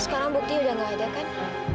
sekarang buktinya udah gak ada kan